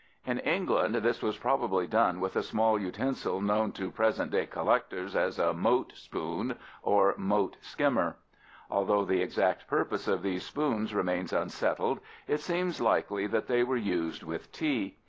In England this was probably done with a small utensil known to present day collectors as a mote spoon or mote skimmer. Although the exact purpose of these spoons remains unsettled, it seems likely that they were used with tea.